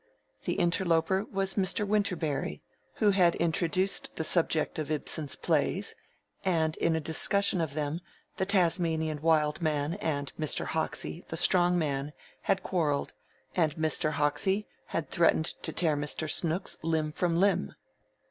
The interloper was Mr. Winterberry, who had introduced the subject of Ibsen's plays, and in a discussion of them the Tasmanian Wild Man and Mr. Hoxie, the Strong Man, had quarreled, and Mr. Hoxie had threatened to tear Mr. Snooks limb from limb.